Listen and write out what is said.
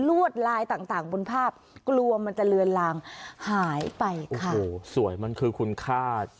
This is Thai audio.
วดลายต่างต่างบนภาพกลัวมันจะเลือนลางหายไปโอ้โหสวยมันคือคุณค่า